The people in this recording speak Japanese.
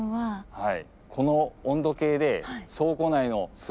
はい。